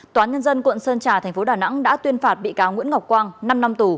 tòa nhân dân quận sơn trà tp đà nẵng đã tuyên phạt bị cáo nguyễn ngọc quang năm năm tù